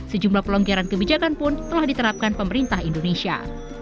sejumlah pelonggaran kebijakan pun telah diterapkan pemerintah indonesia